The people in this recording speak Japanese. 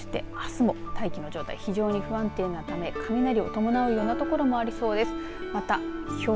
そして、あすも大気の状態が非常に不安定なため雷を伴うような所もありそうです。